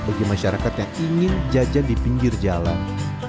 bagi masyarakat yang ingin jajan di pinggir jalan